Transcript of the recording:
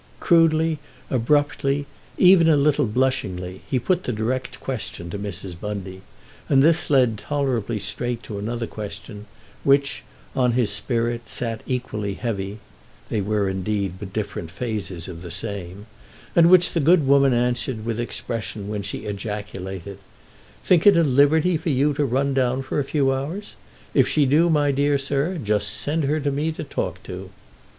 Crudely, abruptly, even a little blushingly, he put the direct question to Mrs. Bundy, and this led tolerably straight to another question, which, on his spirit, sat equally heavy (they were indeed but different phases of the same), and which the good woman answered with expression when she ejaculated: "Think it a liberty for you to run down for a few hours? If she do, my dear sir, just send her to me to talk to!"